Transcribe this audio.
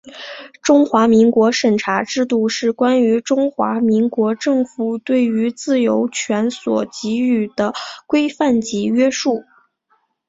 中华民国审查制度是关于中华民国政府对于自由权所给予的规范及约束。